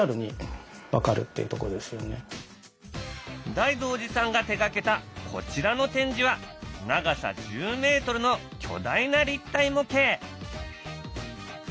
大道寺さんが手がけたこちらの展示は長さ１０ｍの巨大な立体模型！